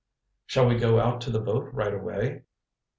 "Shall we go out to the boat right away?"